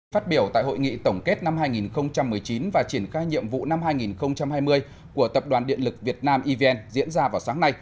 phát biểu tại hội nghị tổng kết năm hai nghìn một mươi chín và triển khai nhiệm vụ năm hai nghìn hai mươi của tập đoàn điện lực việt nam evn diễn ra vào sáng nay